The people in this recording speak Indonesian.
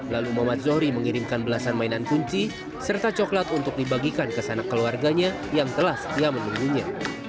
lalu muhammad zohri mengirimkan belasan mainan kunci serta coklat untuk dibagikan ke sana keluarganya yang telah setia menunggunya